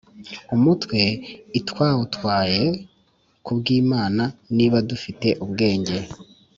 umutwe i twawutaye ku bw Imana niba dufite ubwenge